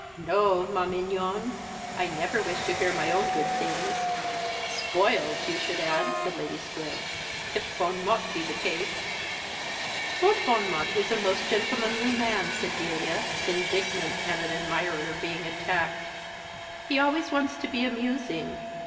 "No, ma mignonne! I never wish to hear my own good things." "Spoiled, you should add," said Lady Squib, "if Bon Mot be in the case." "Lord Bon Mot is a most gentlemanly man," said Delia, indignant at an admirer being attacked. "He always wants to be amusing.